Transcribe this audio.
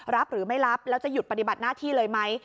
รับหรือไม่รับแล้วจะหยุดปฏิบัติหน้าที่เลยไหม